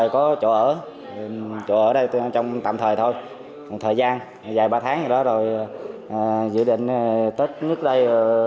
chỗ ở đây trong tạm thời thôi một thời gian dài ba tháng rồi rồi dự định tết nhất đây